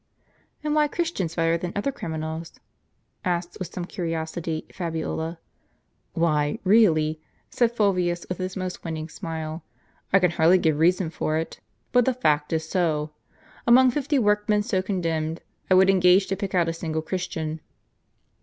" And why Christians better than other criminals? " asked, with some curiosity, Fabiola. "Why, really," said Fulvius, with his most winning smile, "I can hardly give a reason for it ; but the fact is so. Among fifty workmen so condemned, I would engage to pick out a single Christian."